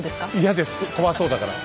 嫌です怖そうだから。